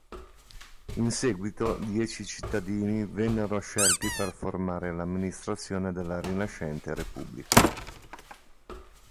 In seguito dieci cittadini vennero scelti per formare l'amministrazione della rinascente repubblica.